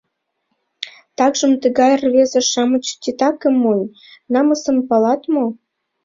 Такшым тыгай рвезе-шамыч титакым монь, намысым палат мо?